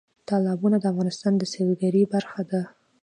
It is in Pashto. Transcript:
تالابونه د افغانستان د سیلګرۍ برخه ده.